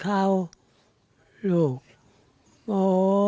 เขาเป็นลูกท่าอีกทีแล้วไม่นำใจกับพ่อกับแม่